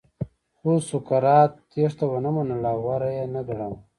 خو سقراط تېښته ونه منله او غوره یې نه ګڼله.